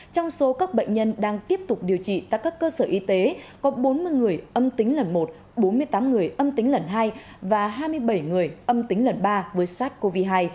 trong số các bệnh nhân đang tiếp tục điều trị tại các cơ sở y tế có bốn mươi người âm tính lần một bốn mươi tám người âm tính lần hai và hai mươi bảy người âm tính lần ba với sars cov hai